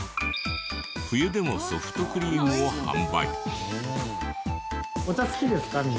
冬でもソフトクリームを販売。